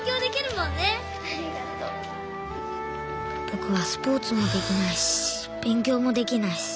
ぼくはスポーツもできないしべん強もできないし。